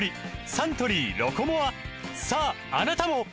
サントリー「ロコモア」さああなたも！